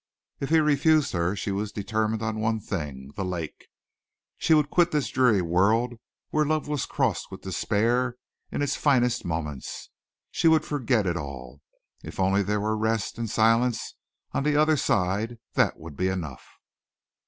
If he refused her she was determined on one thing the lake. She would quit this dreary world where love was crossed with despair in its finest moments; she would forget it all. If only there were rest and silence on the other side that would be enough.